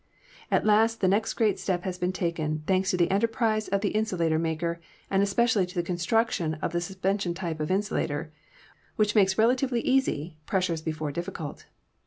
"At last the next great step has been taken, thanks to the enterprise of the insulator maker, and especially to the construction of the suspension type of insulator, which makes relatively easy pressures before difficult.